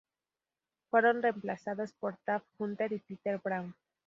Fueron remplazados por Tab Hunter y Peter Brown.